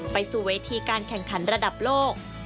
ไปสู่เวทีการแข่งขันระดับโลก